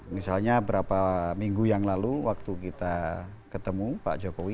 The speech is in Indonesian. misalnya berapa minggu yang lalu waktu kita ketemu pak jokowi